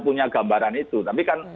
punya gambaran itu tapi kan